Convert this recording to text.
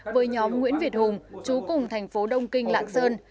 với nhóm nguyễn việt hùng chú cùng thành phố đông kinh lạng sơn